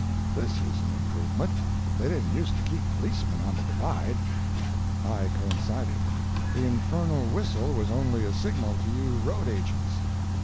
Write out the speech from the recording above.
this is an improvement—they didn't use to keep policemen on the Divide." I coincided. The infernal whistle was only a signal to you road agents.